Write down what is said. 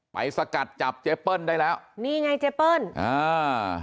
สกัดจับเจเปิ้ลได้แล้วนี่ไงเจเปิ้ลอ่า